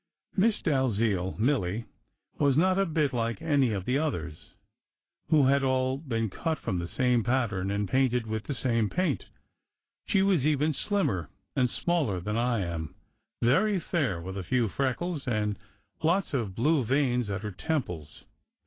Miss Dalziel Milly was not a bit like any of the others, who had all been cut from the same pattern and painted with the same paint. She was even slimmer and smaller than I am; very fair, with a few freckles, and lots of blue veins at her temples.